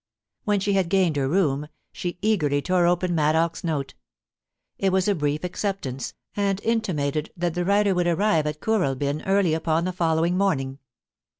When she had gained her room, she eagerly tore open Maddox's note. It was a brief acceptance, and intimated that the writer would arrive at Kooralbyn early upon the following morning.